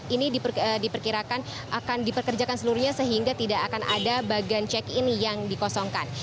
ini diperkirakan akan diperkerjakan seluruhnya sehingga tidak akan ada bagian check in yang dikosongkan